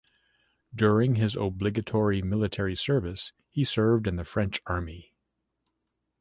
During his obligatory military service he served in the French Army.